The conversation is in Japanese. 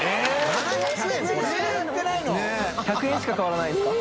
１００円しか変わらないんですか？